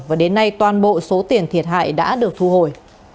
và đến nay toàn bộ số tiền thiệt hại đã được thu hồi